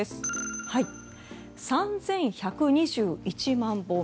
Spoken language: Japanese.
３１２１万本。